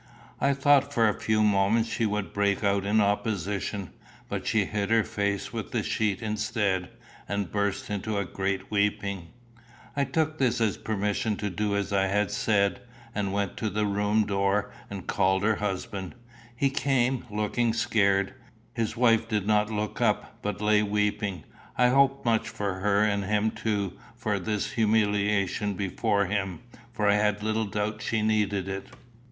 I thought for a few moments she would break out in opposition; but she hid her face with the sheet instead, and burst into a great weeping. I took this as a permission to do as I had said, and went to the room door and called her husband. He came, looking scared. His wife did not look up, but lay weeping. I hoped much for her and him too from this humiliation before him, for I had little doubt she needed it.